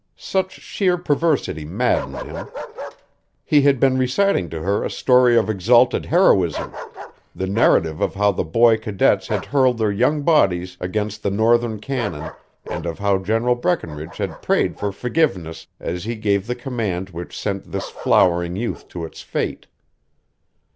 Such sheer perversity maddened him. He had been reciting to her a story of exalted heroism the narrative of how the boy cadets had hurled their young bodies against the Northern cannon and of how General Breckinridge had prayed for forgiveness as he gave the command which sent this flowering youth to its fate.